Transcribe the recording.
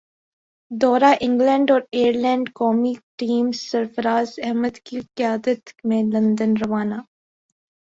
دورہ انگلینڈ اور ائرلینڈ قومی ٹیم سرفرازاحمد کی قیادت میں لندن روانہ